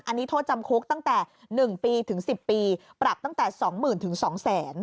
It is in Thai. อันนี้โทษจำคุกตั้งแต่หนึ่งปีถึงสิบปีปรับตั้งแต่สองหมื่นถึงสองแสน